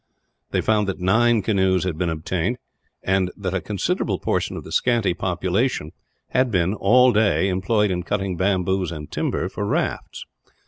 They found that nine canoes had been obtained, and that a considerable portion of the scanty population had been, all day, employed in cutting bamboos and timber for rafts.